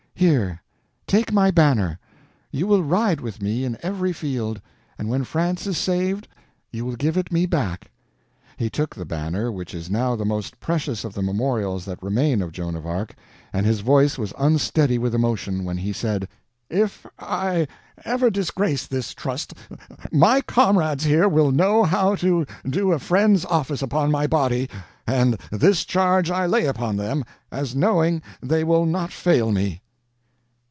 "Here—take my banner. You will ride with me in every field, and when France is saved, you will give it me back." He took the banner, which is now the most precious of the memorials that remain of Joan of Arc, and his voice was unsteady with emotion when he said: "If I ever disgrace this trust, my comrades here will know how to do a friend's office upon my body, and this charge I lay upon them, as knowing they will not fail me."